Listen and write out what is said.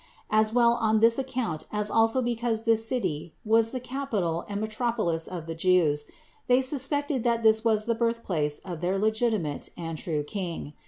As well on this account as also because this city was the capital and metropolis of the Jews, they suspected that this was the birthplace of their legitimate and true King.